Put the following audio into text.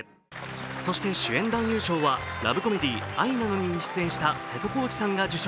そして主演男優賞は、ラブコメディー「愛なのに」に出演した瀬戸康史さんが受賞。